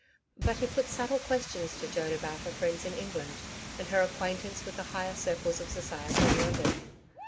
But he put subtle questions to Joan about her friends in England and her acquaintance with the higher circles of society in London.